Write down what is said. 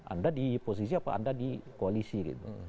anda di posisi apa anda di koalisi gitu